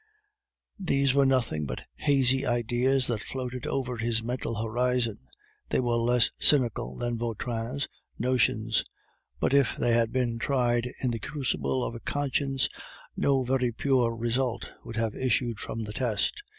These were nothing but hazy ideas that floated over his mental horizon; they were less cynical than Vautrin's notions; but if they had been tried in the crucible of conscience, no very pure result would have issued from the test.